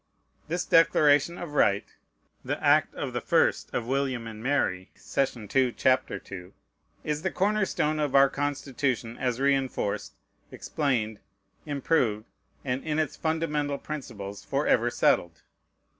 This Declaration of Right (the act of the 1st of William and Mary, sess. 2, ch. 2) is the corner stone of our Constitution, as reinforced, explained, improved, and in its fundamental principles forever settled.